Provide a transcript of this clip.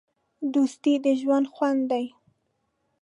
دوستي د ژوند خوند دی.